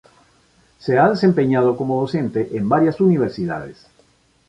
Se ha desempeñado como docente en varias universidades.